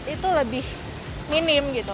itu lebih minim gitu